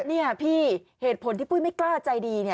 นี่พี่เหตุผลที่ปุ้ยไม่กล้าใจดี